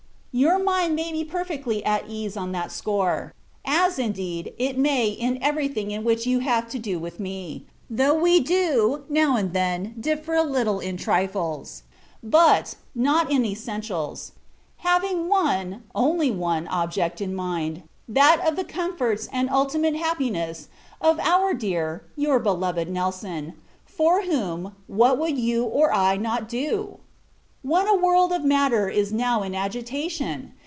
Your mind may be perfectly at ease on that score: as, indeed, it may in every thing in which you have to do with me though we do, now and then, differ a little in trifles; but, not in essentials: having one, only one, object in mind, that of the comforts, and ultimate happiness, of our dear your beloved Nelson; for whom, what would you or I not do? What a world of matter is now in agitation!